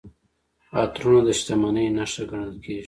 عطرونه د شتمنۍ نښه ګڼل کیږي.